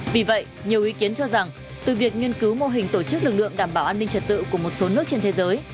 vì vậy nhiều ý kiến cho rằng từ việc nghiên cứu mô hình tổ chức lực lượng đảm bảo an ninh trật tự của một số nước trên thế giới